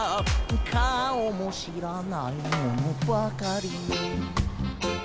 「顔も知らない者ばかり」